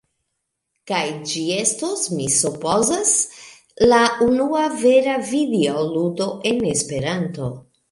kaj ĝi estos, mi supozas, la unua vera videoludo en Esperanto.